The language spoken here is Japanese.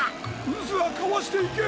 うずはかわしていけ！